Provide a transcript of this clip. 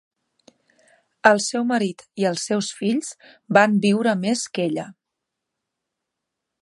El seu marit i els seus fills va viure més que ella.